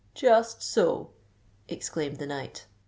"Just so," exclaimed the knight.